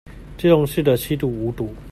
基隆市的七堵、五堵